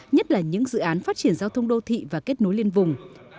nhất là những dự án phát triển giao thông đô thị và kết nối liên vùng